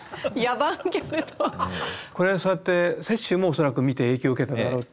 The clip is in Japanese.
これそうやって雪舟も恐らく見て影響を受けただろうっていう。